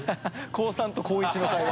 高３と高１の会話。